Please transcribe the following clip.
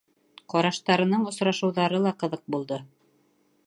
Ҡараштарының осрашыуҙары ла ҡыҙыҡ булды.